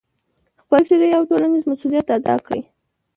خپل شرعي او ټولنیز مسؤلیت ادا کړي،